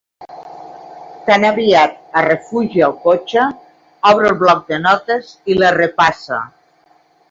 Tan aviat es refugia al cotxe, obre el bloc de notes i les repassa.